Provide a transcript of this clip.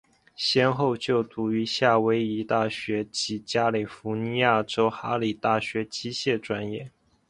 先后就读于夏威夷大学及加利福尼亚州哈里大学机械专业。